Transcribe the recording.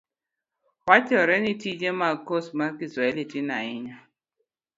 wachre ni tije mag kos mar kiswahili tin ahinya.